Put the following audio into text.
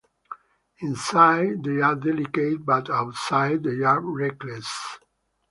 Inside they're delicate but outside they're reckless.